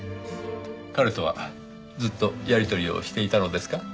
彼とはずっとやり取りをしていたのですか？